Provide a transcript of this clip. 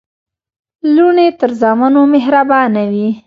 لوڼي تر زامنو مهربانه وي.